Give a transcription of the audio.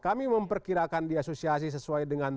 kami memperkirakan di asosiasi sesuai dengan